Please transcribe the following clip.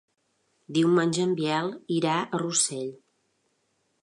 Diumenge en Biel irà a Rossell.